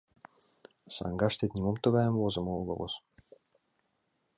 Саҥгаштет нимом тугайым возымо огылыс.